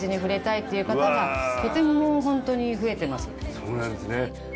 そうなんですね。